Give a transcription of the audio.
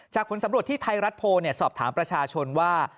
ผลสำรวจที่ไทยรัฐโพลสอบถามประชาชนว่า